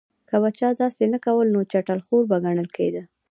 که به چا داسې نه کول نو چټل خور به ګڼل کېده.